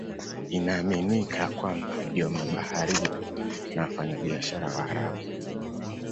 Inaaminika ya kwamba ndio mabaharia na wafanyabiashara Waarabu.